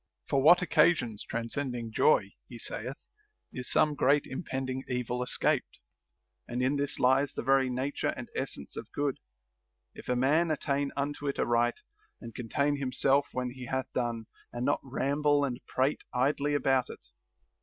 For what occasions transcending joy (he saith) is some great impending evil escaped ; and in this lies the very nature and essence of good, if a man attain unto it aright, and contain himself when he hath done, and not ramble and prate idly about it.